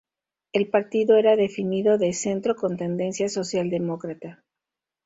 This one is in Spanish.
El partido era definido de centro con tendencia socialdemócrata.